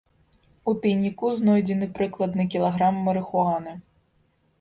У тайніку знойдзены прыкладна кілаграм марыхуаны.